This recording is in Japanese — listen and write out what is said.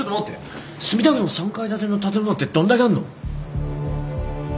墨田区に３階建ての建物ってどんだけあんの？